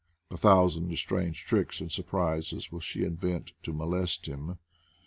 A thousand strange tricks and surprises will she invent to molest him.